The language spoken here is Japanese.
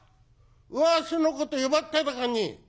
わしのこと呼ばっただかに？」。